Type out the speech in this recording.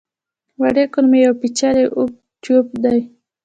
وړې کولمې یو پېچلی اوږد ټیوب دی.